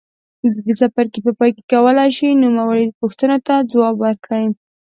د دې څپرکي په پای کې کولای شئ نوموړو پوښتنو ته ځواب ورکړئ.